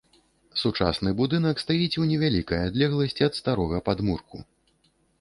Сучасны будынак стаіць у невялікай адлегласці ад старога падмурку.